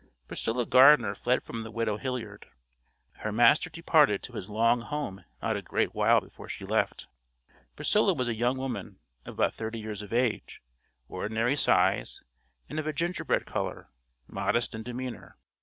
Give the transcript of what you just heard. Priscilla Gardener fled from the widow Hilliard. Her master departed to his long home not a great while before she left. Priscilla was a young woman of about thirty years of age, ordinary size, and of a ginger bread color; modest in demeanor.